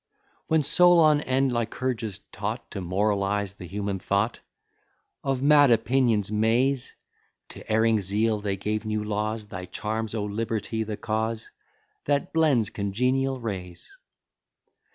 When Solon and Lycurgus taught To moralize the human thought Of mad opinion's maze, To erring zeal they gave new laws, Thy charms, O Liberty, the cause That blends congenial rays.